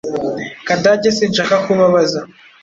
Kadage, sinshaka ko ubabaza.